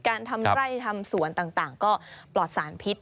ทำไร่ทำสวนต่างก็ปลอดสารพิษ